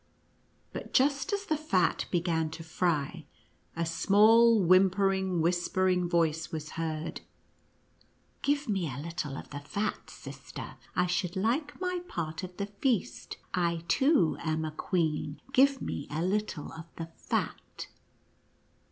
But just as the fat began to fry, a small wimpering, whispering voice was heard, " Give me a little of the fat, sister — I should like my part of the feast — I too am a queen — give me a little of the fat."